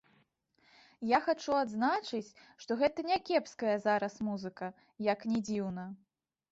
Я хачу адзначыць, што гэта някепская зараз музыка, як ні дзіўна.